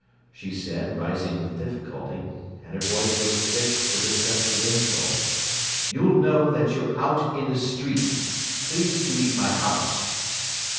she said, rising with difficulty; and her voice was thick with the sense of insult. "You'll know that you're out in the street. Please to leave my house!"